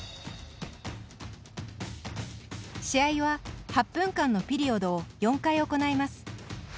試合は８分間のピリオドを４回行います。